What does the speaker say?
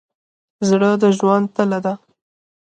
زړه د ژوند تله ده.